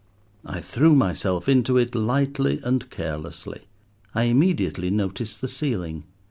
I threw myself into it lightly and carelessly. I immediately noticed the ceiling.